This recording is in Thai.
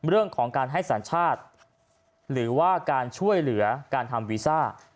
เรื่องของการให้สัญชาติหรือว่าการช่วยเหลือการทำวีซ่า